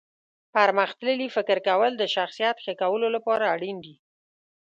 پرمختللي فکر کول د شخصیت ښه کولو لپاره اړین دي.